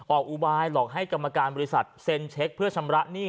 อุบายหลอกให้กรรมการบริษัทเซ็นเช็คเพื่อชำระหนี้